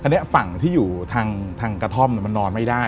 อันนี้ฝั่งที่อยู่ทางกระท่อมมันนอนไม่ได้